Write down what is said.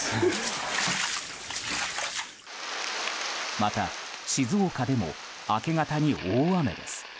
また、静岡でも明け方に大雨です。